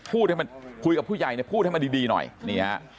พูดให้มันคุยกับผู้ใหญ่เนี่ยพูดให้มันดีหน่อยนี่ฮะ